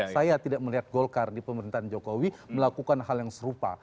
saya tidak melihat golkar di pemerintahan jokowi melakukan hal yang serupa